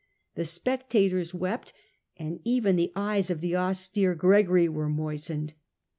The spectators wept, and even the eyes of the austere Gregory were moistened.